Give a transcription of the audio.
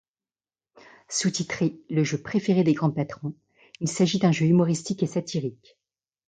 Sous-titré “le jeu préféré des grands patrons”, il s’agit d’un jeu humoristique et satirique.